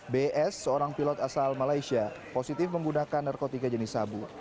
bs seorang pilot asal malaysia positif menggunakan narkotika jenis sabu